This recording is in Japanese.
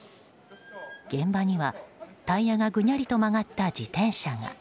現場にはタイヤがぐにゃりと曲がった自転車が。